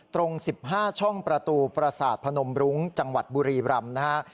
ตรง๑๕ช่องประตูประสาทพนมรุ้งจังหวัดบุรีรำนะฮะ